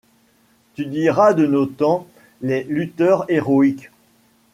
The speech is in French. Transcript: Tu diras de nos temps les lutteurs héroïques